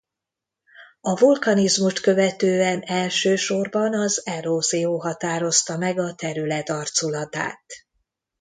A vulkanizmust követően elsősorban az erózió határozta meg a terület arculatát.